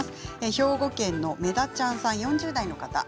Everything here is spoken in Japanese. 兵庫県の方、４０代の方。